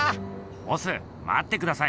ボスまってください。